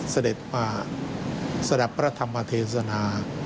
เสด็จมาสดับพระธรรมเทศนา